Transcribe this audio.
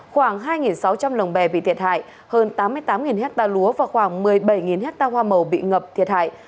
khoảng hai sáu trăm linh lồng bè bị thiệt hại hơn tám mươi tám hectare lúa và khoảng một mươi bảy hectare hoa màu bị ngập thiệt hại